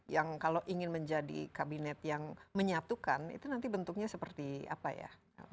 yang kalau ingin menjadi kabinet yang menyatukan itu nanti bentuknya seperti apa ya